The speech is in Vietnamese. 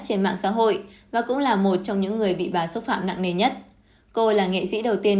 trên mạng xã hội và cũng là một trong những người bị bà xúc phạm nặng nề nhất cô là nghệ sĩ đầu tiên